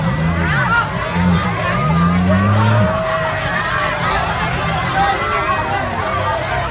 ก็ไม่มีเวลาให้กลับมาเท่าไหร่